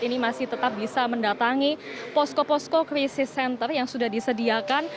ini masih tetap bisa mendatangi posko posko krisis center yang sudah disediakan